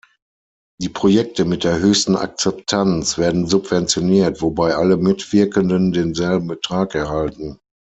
Die Projekte mit der höchsten Akzeptanz werden subventioniert, wobei alle Mitwirkenden denselben Betrag erhalten.